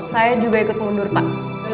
saya juga ikut mundur pak